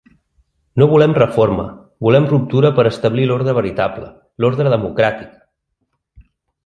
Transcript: No volem reforma, volem ruptura per establir l’ordre veritable, l’ordre democràtic!